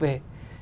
về cái vụ này